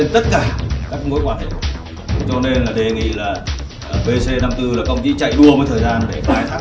nên là đề nghị là bc năm mươi bốn là công ty chạy đua mấy thời gian để bài thắng bằng được những thông tin nào có thể nhận trong cái điện thoại